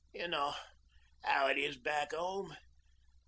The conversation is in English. You know how it is, back home.